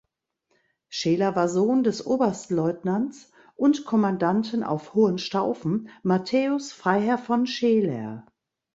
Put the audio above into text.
Scheler war Sohn des Oberstleutnants und Kommandanten auf Hohenstaufen Matthäus Freiherr von Scheler.